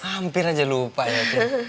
hampir aja lupa ya